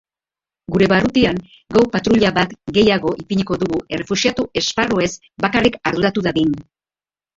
Gure barrutian gau-patruila bat gehiago ipiniko dugu errefuxiatu-esparruez bakarrik arduratu dadin.